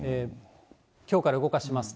きょうから動かしますと。